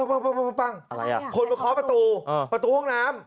คนมาเค้าประตูประตูห้องน้ำ